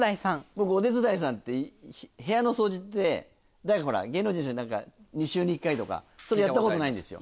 僕お手伝いさんって部屋の掃除って誰か芸能人の人で２週に１回とかそれやったことないんですよ。